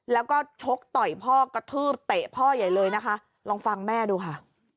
แล้วก็ชกต่อยพ่อกระทืบเตะพ่อใหญ่เลยนะคะลองฟังแม่ดูค่ะ